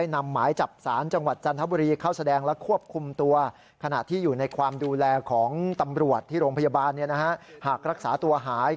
ตำรวจที่โรงพยาบาลหากรักษาตัวหาย